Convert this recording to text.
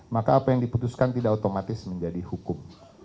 maka apa yang diputuskan tidak otomatis menjadi hukum